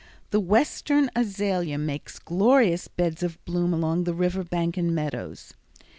The western azalea makes glorious beds of bloom along the river bank and meadows.